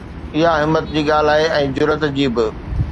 اها همت جي ڳالهه آهي ۽ جرئت جي به.